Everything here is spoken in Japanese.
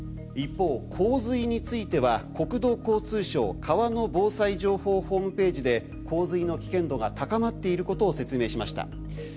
一方洪水については国土交通省川の防災情報ホームページで洪水の危険度が高まっていることを説明しました。